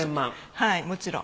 はいもちろん。